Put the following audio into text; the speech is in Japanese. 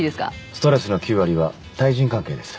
ストレスの９割は対人関係です